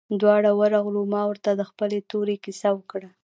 دواړه ورغلو ما ورته د خپلې تورې كيسه وكړه.